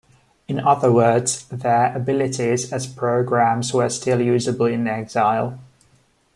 In other words, their abilities as programs were still usable in exile.